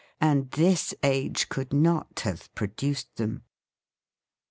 And this age could not have produced them.